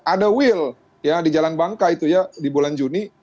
ada will ya di jalan bangka itu ya di bulan juni